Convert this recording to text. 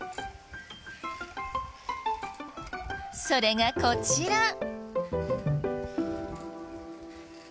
それがこちら。